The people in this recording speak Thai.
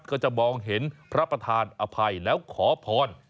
ก็จะมองเห็นพระประธานอภัยแล้วขอพร